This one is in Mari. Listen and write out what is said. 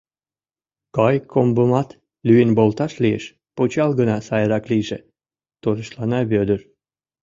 — Кайыккомбымат лӱен волташ лиеш, пычал гына сайрак лийже, — торешлана Вӧдыр.